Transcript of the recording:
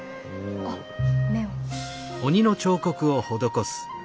あっ目を。